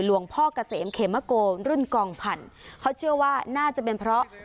หลวงพ่อเกษมเขมโกรุ่นกองพันธุ์เขาเชื่อว่าน่าจะเป็นเพราะ